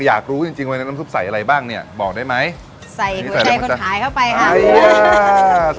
อยากรู้จริงน้ำซุปใส่อะไรบ้างเนี่ยบอกได้ไหมใส่ไหมก็ใส่คนขายเข้าไปค่ะอ่ายี่ยะ